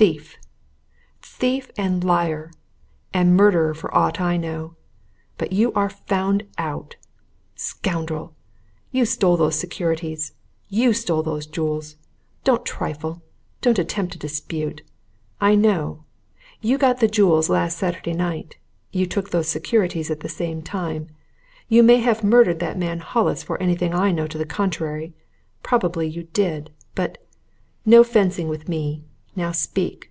"Thief! Thief and liar and murderer, for aught I know! But you are found out. Scoundrel! you stole those securities! You stole those jewels! Don't trifle don't attempt to dispute! I know! You got the jewels last Saturday night you took those securities at the same time. You may have murdered that man Hollis for anything I know to the contrary probably you did. But no fencing with me! Now speak!